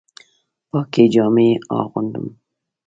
پاکې جامې اغوندم